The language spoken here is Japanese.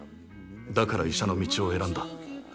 だから、医者の道を選んだ。